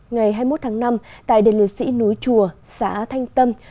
ngày hai mươi một tháng năm tại đền liệt sĩ núi chùa xã thanh tâm